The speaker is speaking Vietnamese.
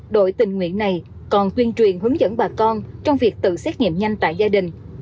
đội tình nguyện này còn tuyên truyền hướng dẫn bà con trong việc tự xét nghiệm nhanh tại gia đình